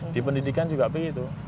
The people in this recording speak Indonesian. di pendidikan juga begitu